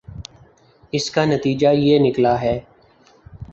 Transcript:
اس کا نتیجہ یہ نکلا ہے